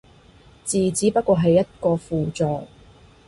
字只不過係一個輔助